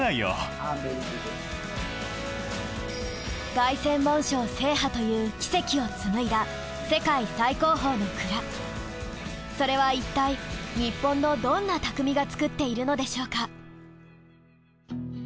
凱旋門賞制覇という奇跡を紡いだそれはいったい日本のどんな匠が作っているのでしょうか？